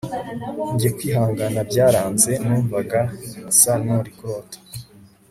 Njye kwihangana byaranze numvaga nsa nuri kurota